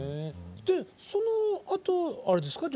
でそのあとあれですか？